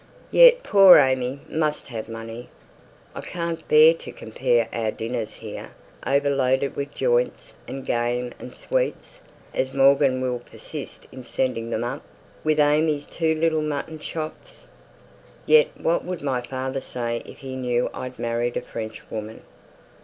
Yet poor AimÄe must have money. I can't bear to compare our dinners here, overloaded with joints and game and sweets, as Morgan will persist in sending them up, with AimÄe's two little mutton chops. Yet what would my father say if he knew I'd married a Frenchwoman?